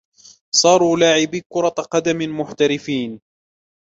صاروا لاعبِي كرة قدمٍ محترفين.